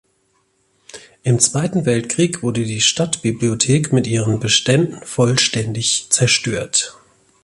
Im Zweiten Weltkrieg wurde die Stadtbibliothek mit ihren Beständen vollständig zerstört.